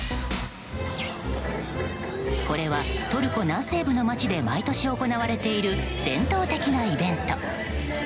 これは、トルコ南西部の町で毎年行われている伝統的なイベント。